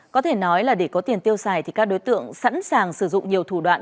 có thể nói là để có tiền tiêu xài thì các đối tượng sẵn sàng sử dụng nhiều thủ đoạn